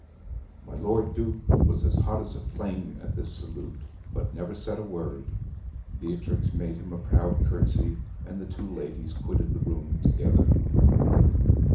My Lord Duke was as hot as a flame at this salute, but said never a word: Beatrix made him a proud curtsy, and the two ladies quitted the room together.